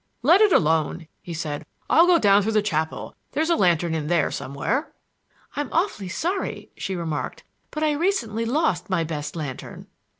"Let it alone," he said. "I'll go down through the chapel; there's a lantern in there somewhere." "I'm awfully sorry," she remarked; "but I recently lost my best lantern!"